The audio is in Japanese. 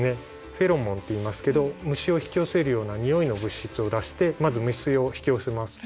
フェロモンっていいますけど虫を引き寄せるような匂いの物質を出してまず虫を引き寄せます。